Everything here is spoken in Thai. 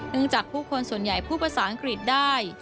จากผู้คนส่วนใหญ่พูดภาษาอังกฤษได้